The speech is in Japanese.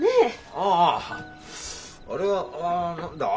あああああれは何だ？